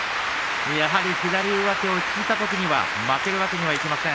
やはり左上手を引いたときには負けるわけにはいきません。